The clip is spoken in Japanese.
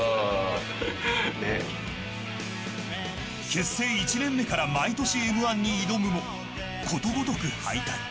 結成１年目から毎年Ｍ‐１に挑むもことごこく敗退。